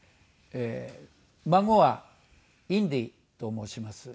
孫はインディと申します。